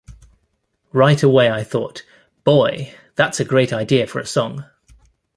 Right away I thought, 'Boy, that's a great idea for a song'.